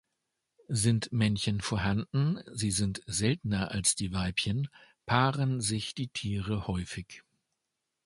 Sind Männchen vorhanden, sie sind seltener als die Weibchen, paaren sich die Tiere häufig.